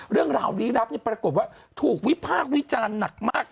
เรื่องราวลี้ลับปรากฏว่าถูกวิพากษ์วิจารณ์หนักมาก